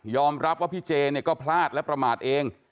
รับว่าพี่เจเนี่ยก็พลาดและประมาทเอง